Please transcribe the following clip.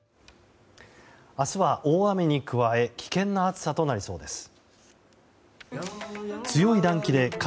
明日は大雨に加え危険な暑さとなりそうです。